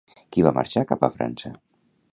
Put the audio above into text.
Qui va marxar cap a França?